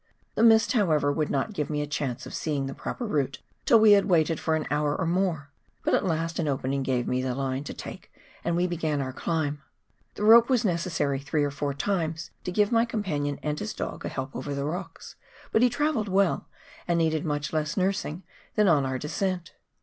The mist, how ever, would not give me a chance of seeing the proper route till we had waited for an hour or more, but at last an opening gave me the line to take, and we began our climb. The rope was necessary three or four times to give my companion and his dog a help over the rocks, but he travelled well, and needed much less nursing than on our descent.